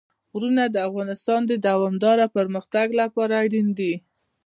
غرونه د افغانستان د دوامداره پرمختګ لپاره اړین دي.